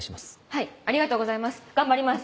はいありがとうございます頑張ります。